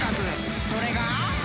［それが］